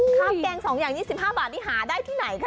ข้าวแกง๒อย่าง๒๕บาทนี่หาได้ที่ไหนคะ